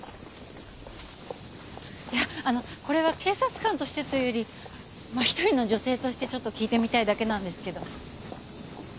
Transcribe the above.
いやあのこれは警察官としてというより１人の女性としてちょっと聞いてみたいだけなんですけど。